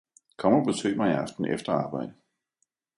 Kom og besøg mig i aften efter arbejde